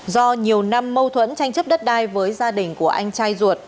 do nhiều năm mâu thuẫn tranh chấp đất đai với gia đình của anh trai ruột